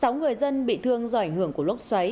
sáu người dân bị thương do ảnh hưởng của lốc xoáy